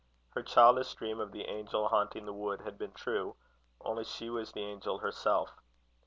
Her childish dream of the angel haunting the wood had been true, only she was the angel herself.